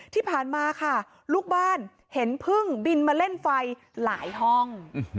ที่ผ่านมาค่ะลูกบ้านเห็นพึ่งบินมาเล่นไฟหลายห้อง